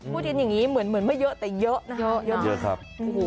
พูดจริงอย่างนี้เหมือนไม่เยอะแต่เยอะนะครับ